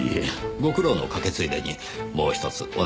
ご苦労のかけついでにもう１つお願いがあるのですが。